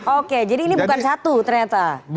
oke jadi ini bukan satu ternyata